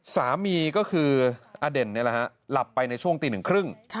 สามีก็คืออเด่นหลับไปในช่วงตีหนึ่งครึ่ง